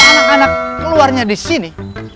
anak anak keluarnya di sini